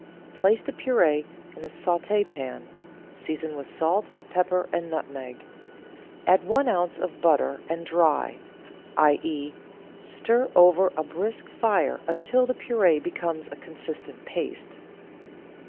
Place the pur^e in a saut^pan ; season with salt, pepper, and nutmeg; add one oz. of butter, and dry; i.e., stir over a brisk fire until the pur^e becomes a consistent paste.